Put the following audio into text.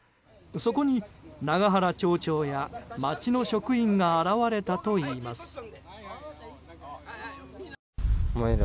そこに永原町長や町の職員が現れたといいます。